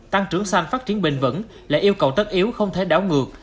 tăng trưởng xanh phát triển bền vững là yêu cầu tất yếu không thể đảo ngược